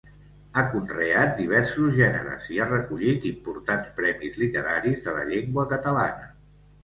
Ha conreat diversos gèneres i ha recollit importants premis literaris de la llengua catalana.